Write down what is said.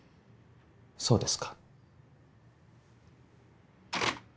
そうですか。